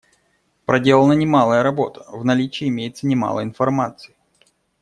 Проделана немалая работа; в наличии имеется немало информации.